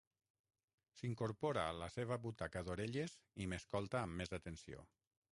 S'incorpora a la seva butaca d'orelles i m'escolta amb més atenció.